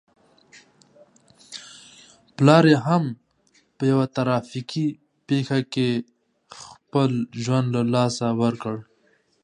پلار يې هم په يوه ترافيکي پېښه کې خپل ژوند له لاسه ور کړ.